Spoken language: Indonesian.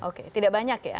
oke tidak banyak ya